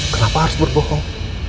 kenapa harus berbohong